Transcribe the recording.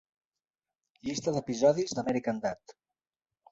Llista d'episodis d'American Dad!